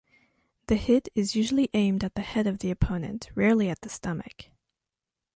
The hit is usually aimed at the head of the opponent, rarely at the stomach.